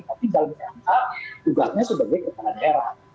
tapi dalam perangkat tugasnya sebagai ketua daerah